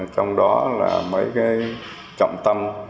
trong đó là mấy cái trọng tâm